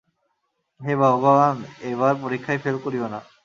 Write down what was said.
হেই ভগবান এইবার পরীক্ষায় ফেল করিয়ো না।